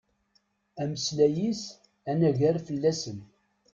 Ameslay-is anagar fell-asen.